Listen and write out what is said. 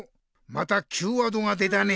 またＱワードが出たね。